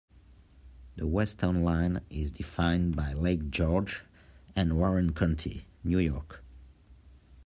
The west town line is defined by Lake George and Warren County, New York.